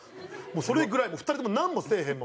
もうそれぐらい２人ともなんもせえへん。